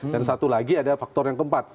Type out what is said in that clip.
dan satu lagi ada faktor yang keempat